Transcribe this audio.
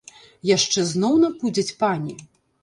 Яшчэ зноў напудзяць пані?